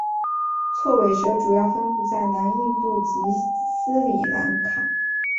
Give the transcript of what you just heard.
锉尾蛇主要分布于南印度及斯里兰卡。